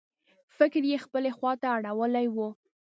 فکر یې خپلې خواته اړولی و.